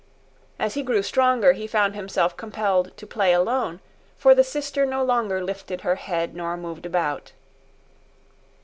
As he grew stronger, he found himself compelled to play alone, for the sister no longer lifted her head nor moved about.